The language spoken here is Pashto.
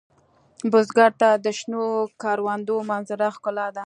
بزګر ته د شنو کروندو منظره ښکلا ده